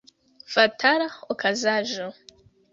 Fatala okazaĵo!